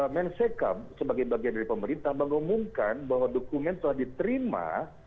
mensekam sebagai bagian dari pemerintah mengumumkan bahwa dokumen telah diterima